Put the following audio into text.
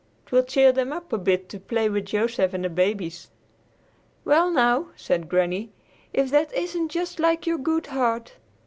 'Twill cheer them up a bit to play with Joseph and the babies." "Well, now," said Granny, "if that isn't just like your good heart!"